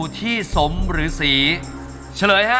กิเลนพยองครับ